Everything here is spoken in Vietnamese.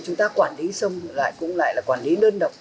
chúng ta quản lý sông lại cũng lại là quản lý đơn độc